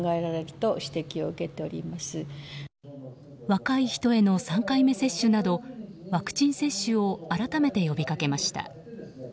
若い人への３回目接種などワクチン接種を改めて呼びかけました。